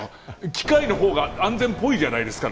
機械のほうが安全ぽいじゃないですか。